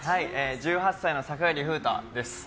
１８歳の酒寄楓太です。